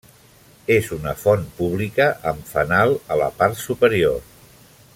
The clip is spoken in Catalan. És una font pública amb fanal a la part superior.